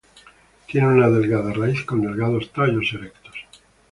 Tiene una delgada raíz con delgados tallos erectos.